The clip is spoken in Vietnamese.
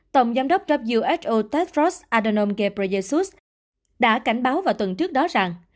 tổng giám đốc who tedros adhanom ghebreyesus đã cảnh báo vào tuần trước đó rằng